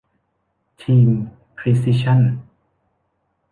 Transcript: ทีมพรีซิชั่น